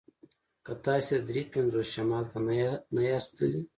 که تاسې د دري پنځوسمې شمال ته نه یاست تللي